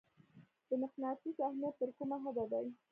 د مقناطیس اهمیت تر کومه حده دی؟